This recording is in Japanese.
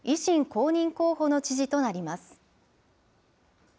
公認候補の知事となります。